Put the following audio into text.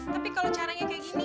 tapi kalau caranya kayak gini